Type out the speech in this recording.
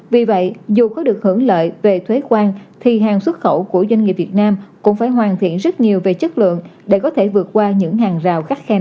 vì vậy dù có được hưởng lợi về thuế quan thì hàng xuất khẩu của doanh nghiệp việt nam cũng phải hoàn thiện rất nhiều về chất lượng để có thể vượt qua những hàng rào khách khe